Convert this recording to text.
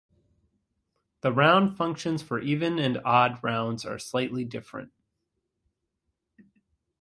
The round functions for even and odd rounds are slightly different.